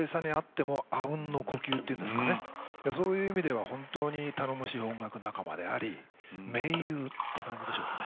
そういう意味では本当に頼もしい音楽仲間であり盟友って感じでしょうかね。